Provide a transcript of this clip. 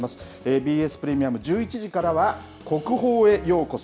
ＢＳプレミアム、１１時からは国宝へようこそ。